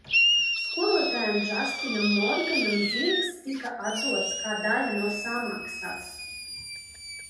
Skolotājam Džastinam Morganam zirgs tika atdots kā daļa no samaksas.